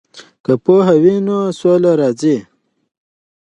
که پوهه وي نو سوله راځي.